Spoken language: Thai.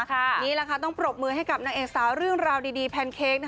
นี่แหละค่ะต้องปรบมือให้กับนางเอกสาวเรื่องราวดีแพนเค้ก